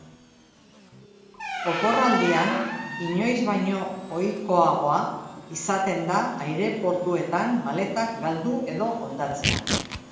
Oporraldian inoiz baino ohikoagoa izaten da aireportuetan maletak galdu edo hondatzea.